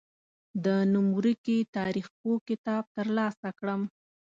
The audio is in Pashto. د نوم ورکي تاریخپوه کتاب تر لاسه کړم.